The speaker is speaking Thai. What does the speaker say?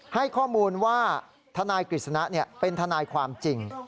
ให้ข้อมูลว่าทนายกฤษณะเป็นทนายความจริง